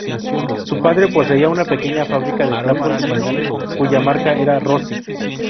Su padre poseía una pequeña fábrica de trapos y pañales, cuya marca era "Rossi".